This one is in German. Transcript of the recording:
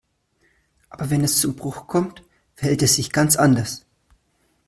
Aber wenn es zum Bruch kommt, verhält es sich ganz anders.